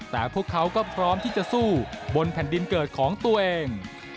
แต่พวกเขาก็พร้อมที่จะสู้บนแผ่นดินเกิดของตัวเอง